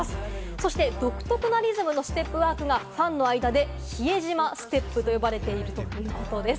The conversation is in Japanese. そして独特なリズムのステップワークはファンの間で比江島ステップと呼ばれているということです。